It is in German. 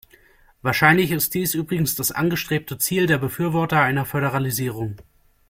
Wahrscheinlich ist dies übrigens das angestrebte Ziel der Befürworter einer Föderalisierung.